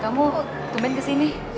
kamu ke band ke sini